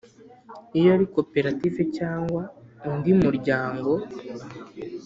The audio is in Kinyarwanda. iyo ari koperative cyangwa undi muryango